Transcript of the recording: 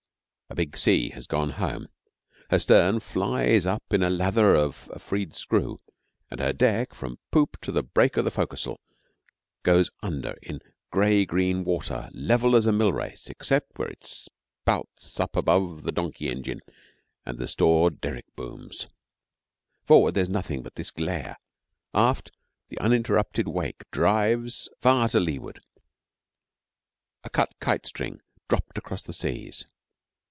A big sea has got home. Her stern flies up in the lather of a freed screw, and her deck from poop to the break of the foc's'le goes under in gray green water level as a mill race except where it spouts up above the donkey engine and the stored derrick booms. Forward there is nothing but this glare; aft, the interrupted wake drives far to leeward, a cut kite string dropped across the seas.